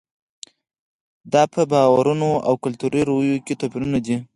دا په باورونو او کلتوري رویو کې توپیرونه دي.